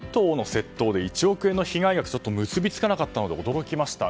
銭湯の窃盗で１億円の被害額結びつかなかったので驚きました。